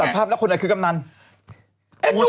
ภาพแล้วคนไหนคือกำนัน